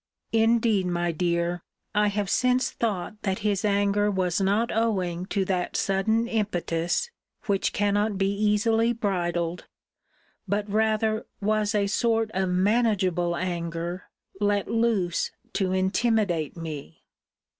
Indeed, my dear, I have since thought that his anger was not owing to that sudden impetus, which cannot be easily bridled; but rather was a sort of manageable anger let loose to intimidate me.